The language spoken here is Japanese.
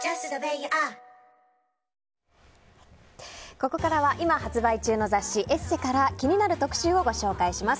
ここからは今発売中の雑誌「ＥＳＳＥ」から気になる特集をご紹介します。